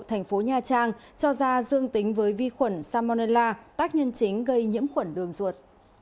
thành phố nha trang cho ra dương tính với vi khuẩn salmonella tác nhân chính gây nhiễm khuẩn đường ruột